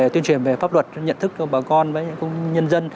tuyên truyền về pháp luật nhận thức cho bà con và nhân dân